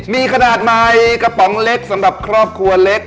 มีขนาดใหม่กระป๋องเล็กสำหรับครอบครัวเล็ก